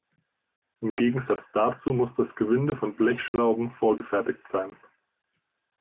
Im Gegensatz dazu muss das Gewinde von Blechschrauben vorgefertigt sein.